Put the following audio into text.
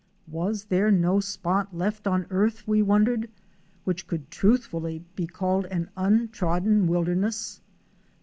Was there no spot left on earth, we wondered, which could truthfully be called an untrodden wilderness!